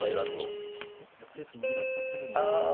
あちょっとペース握られちゃってるんですね。